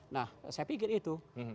nah saya pikir itu